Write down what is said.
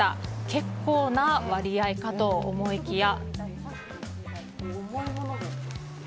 結構な割合かと思いきや。